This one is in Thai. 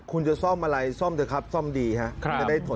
คุณจะซ่อมอะไรซ่อมเถอะครับซ่อมดีฮะ